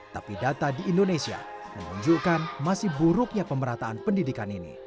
tapi data di indonesia menunjukkan masih buruknya pemerataan pendidikan ini